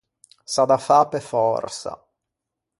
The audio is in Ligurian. S’à da fâ pe fòrsa.